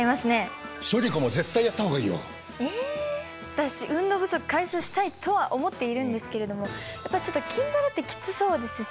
私運動不足解消したいとは思っているんですけれどもやっぱりちょっと筋トレってきつそうですし。